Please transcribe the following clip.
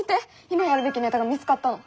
今やるべきネタが見つかったの。